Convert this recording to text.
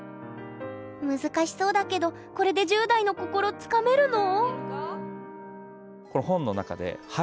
難しそうだけどこれで１０代の心つかめるの？